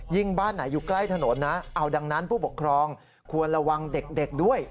บ้านไหนอยู่ใกล้ถนนนะเอาดังนั้นผู้ปกครองควรระวังเด็กด้วย